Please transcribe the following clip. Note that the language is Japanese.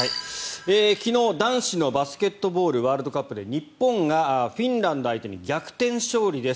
昨日、男子のバスケットボールワールドカップで日本がフィンランド相手に逆転勝利です。